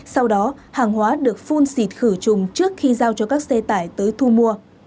sau đó hàng hóa được phun xịt khử trùng trước khi giao cho các xe tải tới thu mua